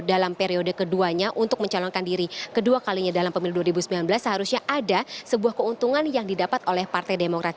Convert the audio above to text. dalam periode keduanya untuk mencalonkan diri kedua kalinya dalam pemilu dua ribu sembilan belas seharusnya ada sebuah keuntungan yang didapat oleh partai demokrat